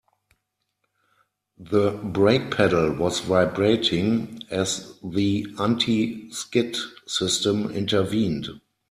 The brake pedal was vibrating as the anti-skid system intervened.